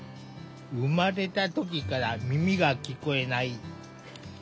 生まれた時から耳が聞こえない。